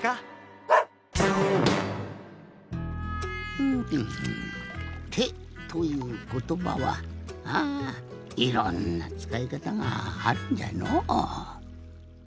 ふむてということばはああいろんなつかいかたがあるんじゃのう。